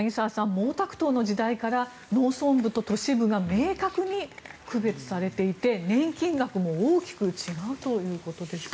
毛沢東の時代から農村部と都市部が明確に区別されていて年金額も大きく違うということですが。